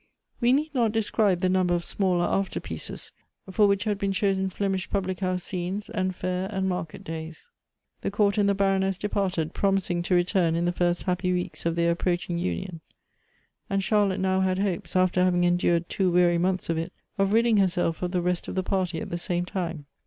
We need not describe the number of smaller after pieces ; for which had been chosen Flemish public house scenes^ and fair and market days. The Count and the Baroness departed, promising to return in the first happy weeks of their approaching union. And Charlotte now had hopes, after having en dured two weary months of it, of ridding herself of the rest of the party at the same time.